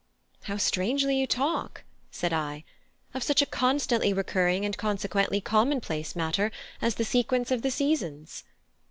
"How strangely you talk," said I, "of such a constantly recurring and consequently commonplace matter as the sequence of the seasons."